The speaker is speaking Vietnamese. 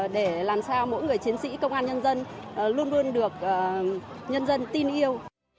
để làm sao mỗi người chiến sĩ công an nhân dân luôn luôn được nhân dân tin yêu